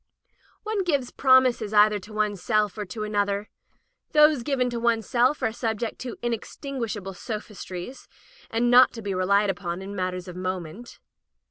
One gives promises either to one's self or to another. Those given to one's self are sub ject to inextinguishable sophistries, and not to be relied upon in matters of moment.